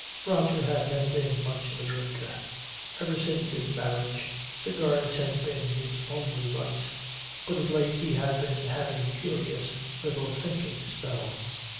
Roger had never been much of a drinker. Ever since his marriage, cigars had been his only vice. But of late he had been having curious little sinking spells.